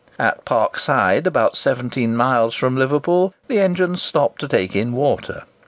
At Parkside, about 17 miles from Liverpool, the engines stopped to take in water.